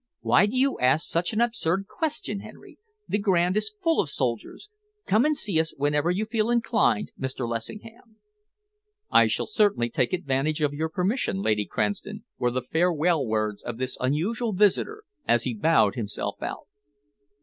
"Why do you ask such an absurd question, Henry? The 'Grand' is full of soldiers. Come and see us whenever you feel inclined, Mr. Lessingham." "I shall certainly take advantage of your permission, Lady Cranston," were the farewell words of this unusual visitor as he bowed himself out.